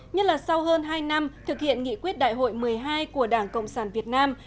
nhất là sau hơn hai năm thực hiện nghị quyết đại hội một mươi hai của đảng cộng sản việt nam